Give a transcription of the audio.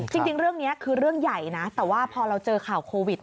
จริงเรื่องนี้คือเรื่องใหญ่นะแต่ว่าพอเราเจอข่าวโควิด